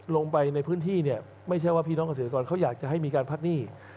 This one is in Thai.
ลงไปในพื้นที่เนี่ยไม่ใช่ว่าพี่น้องเกษตรกรเขาอยากจะให้มีการพักหนี้